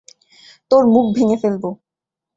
তোর মুখ ভেঙে ফেলবো!